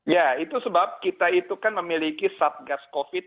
ya itu sebab kita itu kan memiliki satgas covid